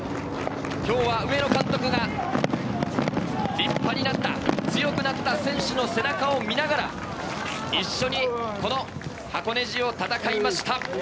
今日は上野監督が立派になった、強くなった選手の背中を見ながら一緒に箱根路を戦いました。